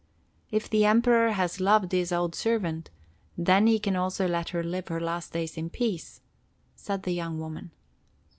"If the Emperor has loved his old servant, then he can also let her live her last days in peace," said the young woman.